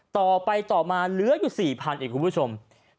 ต่อไปต่อมาเหลืออยู่๔๐๐เองคุณผู้ชม